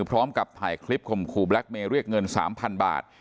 พร้อมกับถ่ายคลิปข่มขู่แบล็คเมย์เรียกเงิน๓๐๐๐บาท